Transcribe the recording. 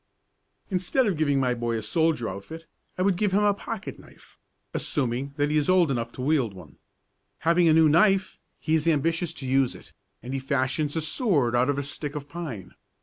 Instead of giving my boy a soldier outfit, I would give him a pocket knife assuming that he is old enough to wield one. Having a new knife, he is ambitious to use it, and he fashions a sword out of a stick of pine.